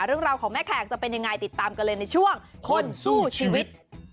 เรื่องราวของแม่แขกจะเป็นยังไงติดตามกันเลยในช่วงคนสู้ชีวิต